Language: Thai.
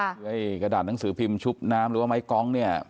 ไอ้กระดาษหนังสือพิมพ์ชุบน้ำหรือว่าไม้กองเนี่ย